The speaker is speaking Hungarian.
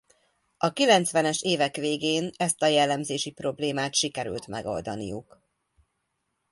A kilencvenes évek végén ezt a jellemzési problémát sikerült megoldaniuk.